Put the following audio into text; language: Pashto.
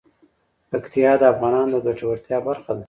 پکتیا د افغانانو د ګټورتیا برخه ده.